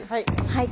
はい。